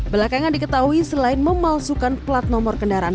belakangan diketahui selain memalsukan plat nomor kendaraan